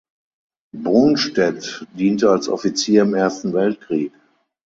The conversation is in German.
Bohnstedt diente als Offizier im Ersten Weltkrieg.